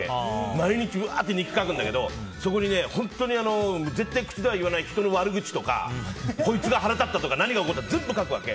毎日うわーって日記書くんだけど絶対口では言わない人の悪口とかこいつが腹立ったとか全部書くわけ。